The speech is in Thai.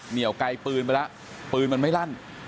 เหนียวไกลปืนไปแล้วปืนมันไม่ลั่น